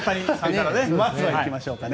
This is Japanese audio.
まずはいきましょうかね。